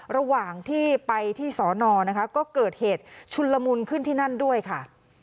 ระหว่างที่ไปที่สอนอนะคะก็เกิดเหตุชุนละมุนขึ้นที่นั่นด้วยค่ะ